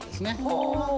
ほう。